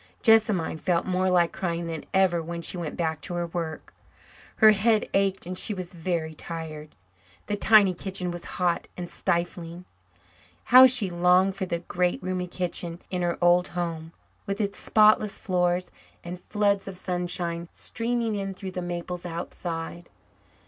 Jessamine felt more like crying than ever when she went back to her work. Her head ached and she was very tired. The tiny kitchen was hot and stifling. How she longed for the great, roomy kitchen in her old home, with its spotless floors and floods of sunshine streaming in through the maples outside.